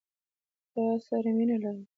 تا سره مينه لرم